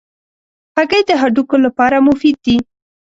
هګۍ د هډوکو لپاره مفید دي.